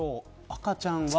赤ちゃんは。